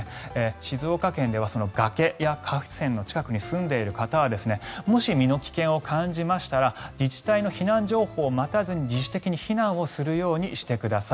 静岡県では崖や河川の近くに住んでいる方はもし、身の危険を感じましたら自治体の避難情報を待たずに自主的に避難するようにしてください。